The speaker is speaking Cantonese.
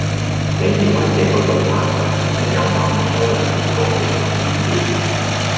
你以為這個論壇上真的有那麼多人回覆你的帖子？